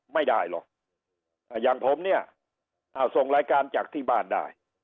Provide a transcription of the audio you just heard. ไม่ได้หรอกอย่างผมเนี่ยส่งรายการจากที่บ้านได้